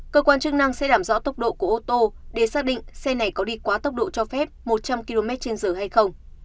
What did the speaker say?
cơ quan chức năng sẽ làm rõ tốc độ của ô tô để xác định xe này có đi quá tốc độ cho phép một trăm linh kmh